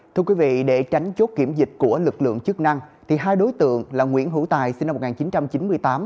thưa quý vị để tránh chốt kiểm dịch của lực lượng chức năng hai đối tượng là nguyễn hữu tài sinh năm một nghìn chín trăm chín mươi tám